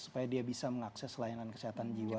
supaya dia bisa mengakses layanan kesehatan jiwa